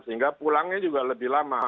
sehingga pulangnya juga lebih lama